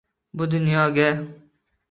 Bu dunyoga